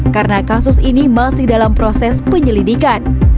karena kasus ini masih dalam proses penyelidikan